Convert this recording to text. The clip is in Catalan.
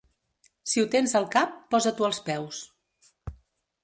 Si ho tens al cap, posa-t'ho als peus.